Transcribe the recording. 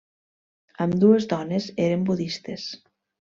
Ambdues dones eren budistes.